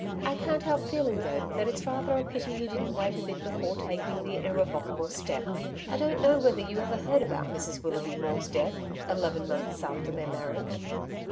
I can't help feeling though, that it's rather a pity you didn't wait a bit before taking the Irrevocable Step. I don't know whether you ever heard about Mrs Willougby Maule's death eleven months after their marriage.'